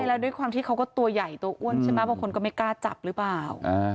แล้วด้วยความที่เขาก็ตัวใหญ่ตัวอ้วนใช่ไหมบางคนก็ไม่กล้าจับหรือเปล่า